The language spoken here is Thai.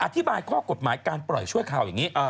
อธิบายข้อกฎหมายการปล่อยช่วยข่าวอย่างนี้